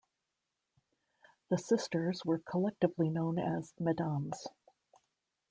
The sisters were collectively known as "Mesdames".